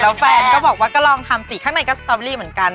แล้วแฟนก็บอกว่าก็ลองทำสิข้างในก็สตอรี่เหมือนกัน